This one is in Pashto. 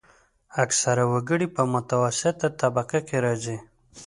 اکثره وګړي په متوسطه طبقه کې راځي.